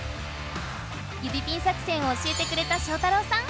指ピン作戦を教えてくれた昭太朗さん！